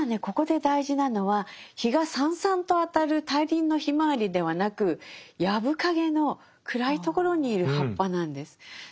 ここで大事なのは陽がさんさんと当たる大輪のひまわりではなく藪かげの暗いところにいる葉っぱなんです。